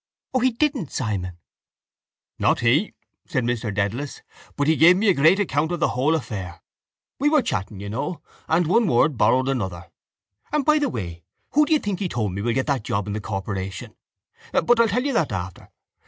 —O, he didn't, Simon! —Not he! said Mr Dedalus. But he gave me a great account of the whole affair. We were chatting, you know, and one word borrowed another. And, by the way, who do you think he told me will get that job in the corporation? But I'll tell you that after.